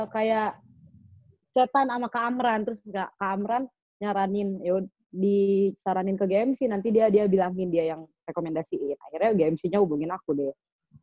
kayak setan sama keamran terus keamran nyaranin ditaranin ke gmc nanti dia bilangin dia yang rekomendasiin akhirnya gmc nya hubungin aku deh